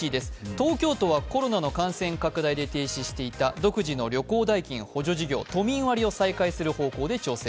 東京都はコロナの感染拡大で停止していた独自の事業、都民割を再開する方向で調整。